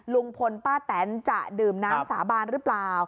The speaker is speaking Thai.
ลุงพลป้าแตนจะดื่มน้ำสาบานหรือเปล่า